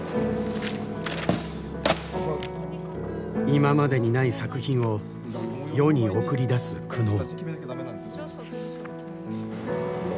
今までにない作品を世に送り出す苦悩。